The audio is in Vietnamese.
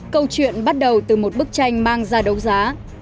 câu chuyện bắt đầu từ một bức tranh mang ra đấu giá